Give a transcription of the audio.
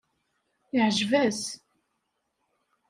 Yeɛjeb-as.